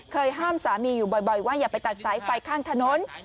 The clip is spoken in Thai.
ห้ามสามีอยู่บ่อยว่าอย่าไปตัดสายไฟข้างถนน